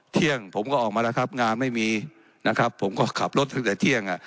เที่ยงผมก็ออกมาแล้วครับงานไม่มีนะครับผมก็ขับรถตั้งแต่เที่ยงอ่ะ